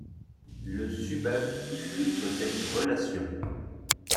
Le subak illustre cette relation.